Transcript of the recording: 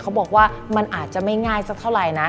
เขาบอกว่ามันอาจจะไม่ง่ายสักเท่าไหร่นะ